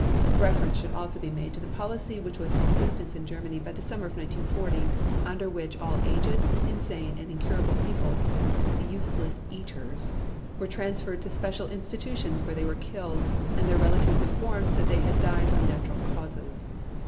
Reference should also be made to the policy which was in existence in Germany by the summer of 1940, under which all aged, insane, and incurable people, "useless eaters," were transferred to special institutions where they were killed, and their relatives informed that they had died from natural causes.